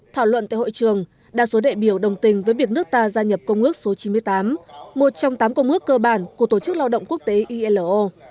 thảo luận tại hội trường đa số đại biểu đồng tình với việc nước ta gia nhập công ước số chín mươi tám một trong tám công ước cơ bản của tổ chức lao động quốc tế ilo